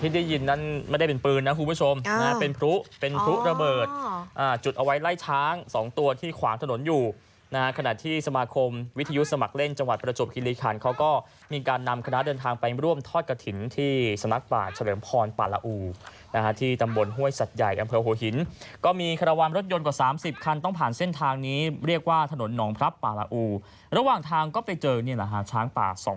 ที่ได้ยินนั้นไม่ได้เป็นปืนนะคุณผู้ชมเป็นปลุเป็นปลุระเบิดจุดเอาไว้ไล่ช้างสองตัวที่ขวางถนนอยู่นะคะขณะที่สมาคมวิทยุสมัครเล่นจังหวัดประจบคิริคันเขาก็มีการนำคณะเดินทางไปร่วมทอดกระถิ่นที่สำนักป่าเฉลิมพรปราอูที่ตำบลห้วยสัตว์ใหญ่อำเภอโหหินก็มีคาระวันรถยนต์กว่า๓๐คันต้อง